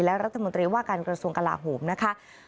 และรัฐมนตรีว่าการกระทรวงกลาโหมนะคะ